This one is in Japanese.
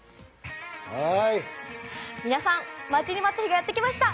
皆さん、待ちに待った日がやってきました。